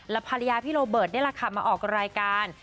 ภรรยาพี่โรเบิร์ตนี่แหละค่ะมาออกรายการ